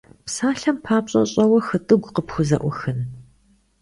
Псалъэм папщӀэ, щӀэуэ хытӀыгу къыпхузэӀухын?